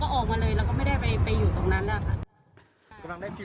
ออกมาเลยเราก็ไม่ได้ไปอยู่ตรงนั้นนะคะ